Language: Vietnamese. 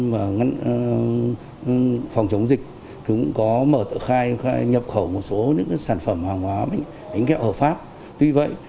và phòng chống dịch cũng có mở tự khai nhập khẩu một số sản phẩm hàng hóa bánh kẹo ở pháp tuy vậy